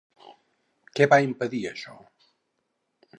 Què va impedir això?